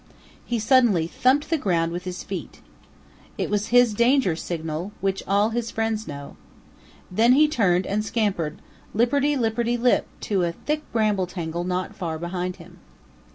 He suddenly thumped the ground with his feet. It was his danger signal which all his friends know. Then he turned and scampered lipperty lipperty lip to a thick bramble tangle not far behind him.